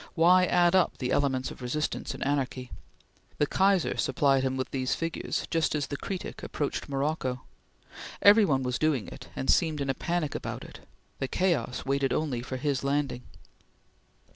Why add up the elements of resistance and anarchy? The Kaiser supplied him with these figures, just as the Cretic approached Morocco. Every one was doing it, and seemed in a panic about it. The chaos waited only for his landing.